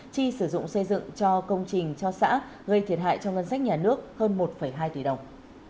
chi sử dụng xây dựng cho công trình cho xã gây thiệt hại cho ngân sách nhà nước hơn một hai tỷ đồng